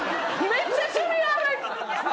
めっちゃ趣味悪い！